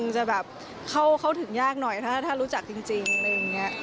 จะเข้าถึงยากหน่อยถ้ารู้จักจริง